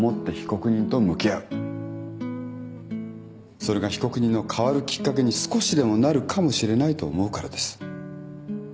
それが被告人の変わるきっかけに少しでもなるかもしれないと思うからです。